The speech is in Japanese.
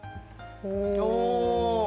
お！